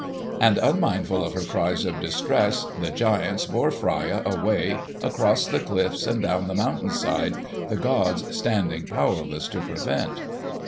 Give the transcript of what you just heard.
And unmindful of her cries of distress the giants bore Freia away, across the cliffs and down the mountain side, the gods standing powerless to prevent.